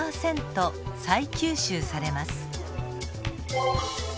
再吸収されます。